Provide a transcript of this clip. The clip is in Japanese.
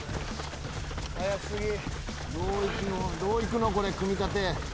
どういくの、これ組み立て。